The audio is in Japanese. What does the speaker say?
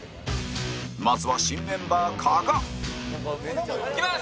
まずは、新メンバー、加賀加賀：いきます！